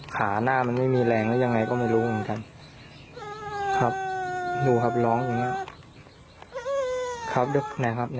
ขาหน้ามันไม่มีแรงแล้วยังไงก็ไม่รู้เหมือนกันครับดูครับร้องอย่างนี้ครับ